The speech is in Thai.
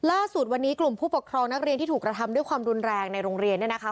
ล่าสุดวันนี้กลุ่มผู้ปกครองนักเรียนที่ถูกกระทำด้วยความรุนแรงในโรงเรียนเนี่ยนะคะ